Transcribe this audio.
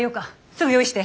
すぐ用意して。